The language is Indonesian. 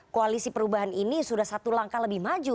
koalisi perubahan ini sudah satu langkah lebih maju